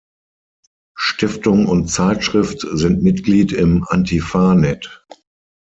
Stiftung und Zeitschrift sind Mitglied im "Antifa-Net.